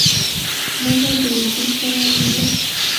منډه د وجود سره مینه ده